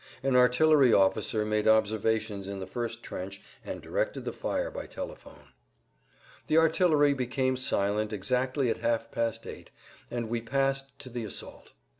An artillery officer made observations in the first trench and directed the fire by telephone. The artillery became silent exactly at half past eight,[Pg 154] and we passed to the assault.